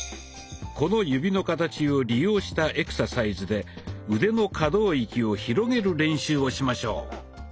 この指の形を利用したエクササイズで腕の可動域を広げる練習をしましょう。